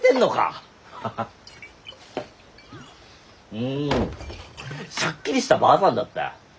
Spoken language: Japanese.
うんしゃっきりしたばあさんだった。